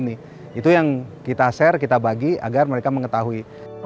itu yang kita share kita bagi agar mereka mengetahui